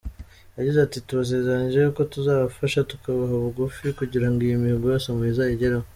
Yagize ati "Tubasezeranije y’uko tuzabafasha, tukababa bugufi kugira ngo iyi mihigo yose muzayigereho.